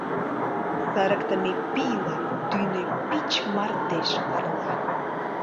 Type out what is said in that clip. Сырыктыме пийла тӱнӧ пич мардеж ырла.